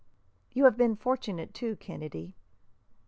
"You have been fortunate, too, Kennedy!"